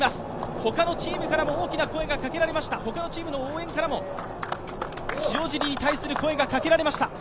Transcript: ほかのチームからも大きな声がかけられました、ほかのチームを走る応援からも塩尻に対する声がかけられました。